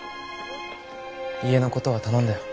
家のことは頼んだよ。